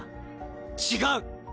違う！